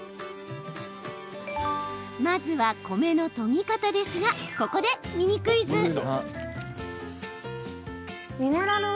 まずは、米のとぎ方ですがここで、ミニクイズ。